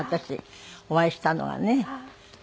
お会いしたのはね。